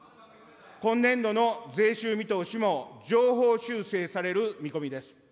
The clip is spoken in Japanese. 今年度の税収見通しも上方修正される見込みです。